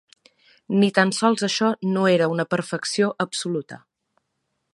Ni tan sols això no era una perfecció absoluta.